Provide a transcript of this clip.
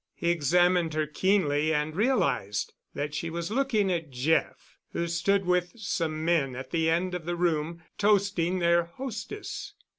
He examined her keenly and realized that she was looking at Jeff, who stood with some men at the end of the room toasting their hostess.